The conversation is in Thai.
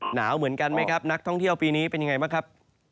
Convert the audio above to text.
หนาวเหมือนกันไหมครับนักท่องเที่ยวปีนี้เป็นยังไงบ้างครับ